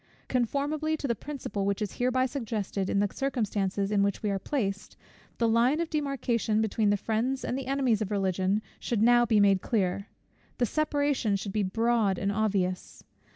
Conformably to the principle which is hereby suggested, in the circumstances in which we are placed, the line of demarcation between the friends and the enemies of Religion should now be made clear; the separation should be broad and obvious.